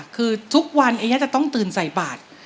คือทุกวันนี้จะต้องตื่นใส่บาท